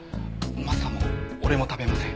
マスターも俺も食べません。